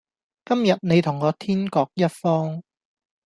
今日你同我天各一方